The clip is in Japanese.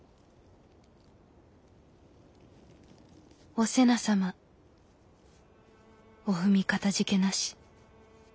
「お瀬名様お文かたじけなし。